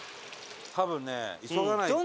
多分ね急がないと。